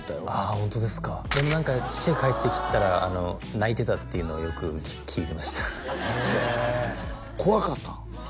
ホントですかでも何か父が帰ってきたら泣いてたっていうのをよく聞いてましたへえ怖かったん？